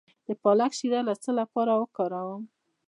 د پالک شیره د څه لپاره وکاروم؟